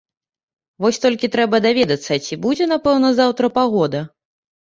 Вось толькі трэба даведацца, ці будзе напэўна заўтра пагода.